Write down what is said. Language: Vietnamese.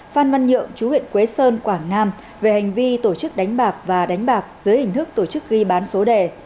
phan văn nhượng chú huyện quế sơn quảng nam về hành vi tổ chức đánh bạc và đánh bạc dưới hình thức tổ chức ghi bán số đề